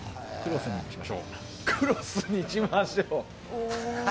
クロスにしましょう。